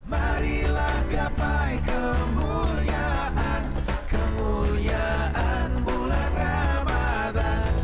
marilah gapai kemuliaan kemuliaan bulan ramadhan